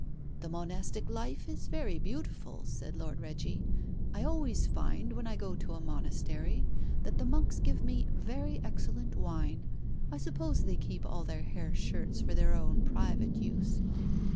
"The monastic life is very beautiful," said Lord Reggie. "I always find when I go to a monastery, that the monks give me very excellent wine. I suppose they keep all their hair shirts for their own private use."